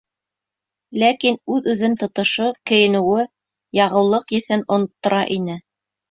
Ләкин үҙ-үҙен тотошо, кейенеүе яғыулыҡ еҫен оноттора ине.